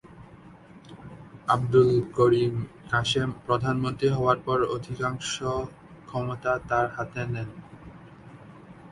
আবদুল করিম কাসেম প্রধানমন্ত্রী হওয়ার পর অধিকাংশ ক্ষমতা তার হাতে নেন।